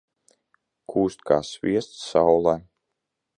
Kūst kā sviests saulē.